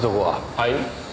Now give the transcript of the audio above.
はい？